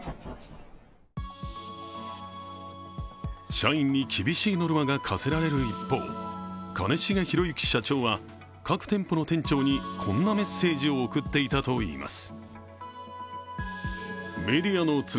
社員に厳しいノルマが課せられる一方、兼重宏行社長は、各店舗の店長にこんなメッセージを送っていたといいます。